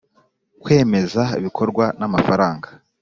Kwemeza ibikorwa n’amafaranga